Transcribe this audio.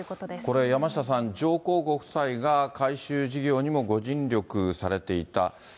これ、山下さん、上皇ご夫妻が改修事業にもご尽力されていた。